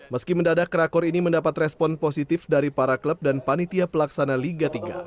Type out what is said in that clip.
meski mendadak rakor ini mendapat respon positif dari para klub dan panitia pelaksana liga tiga